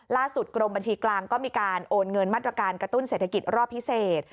กรมบัญชีกลางก็มีการโอนเงินมาตรการกระตุ้นเศรษฐกิจรอบพิเศษ